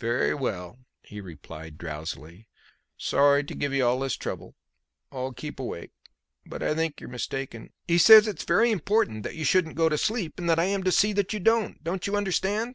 "Ver' well," he replied drowsily. "Sorry t' give you all this trouble. L' keep awake. But I think you're mistak'n " "He says it's very important that you shouldn't go to sleep, and that I am to see that you don't. Do you understand?"